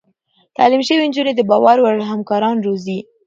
تعليم شوې نجونې د باور وړ همکاران روزي.